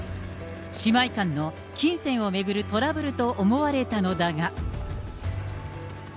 姉妹間の金銭を巡るトラブルと思われたのだが。